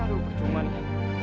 aduh percuma nih